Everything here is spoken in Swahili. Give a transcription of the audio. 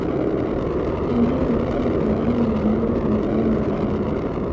sheria ya mwaka elfumoja mianane themanini na mbili